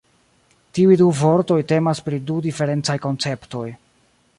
Tiuj du vortoj temas pri du diferencaj konceptoj.